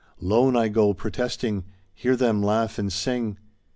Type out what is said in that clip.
Lone I go protesting — ^hear them laugh and sing.